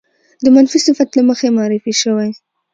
د منفي صفت له مخې معرفې شوې